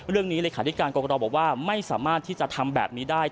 เรื่องนี้เลยค่ะที่การกรกฎาวบอกว่าไม่สามารถที่จะทำแบบนี้ได้